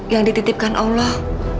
yang dititipkan allah